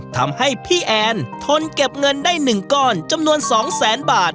ทำให้พี่แอนทนเก็บเงินได้๑ก้อนจำนวน๒แสนบาท